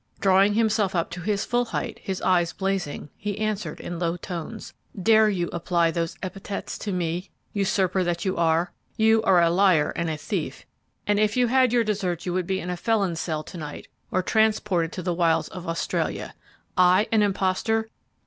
"Drawing himself up to his full height, his eyes blazing, he answered in low tones, 'Dare you apply those epithets to me, usurper that you are? You are a liar and a thief, and if you had your deserts you would be in a felon's cell to night, or transported to the wilds of Australia! I an impostor?